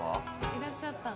いらっしゃった。